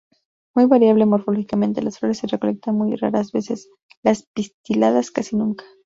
Muy variable morfológicamente; las flores se recolectan muy raras veces, las pistiladas casi nunca.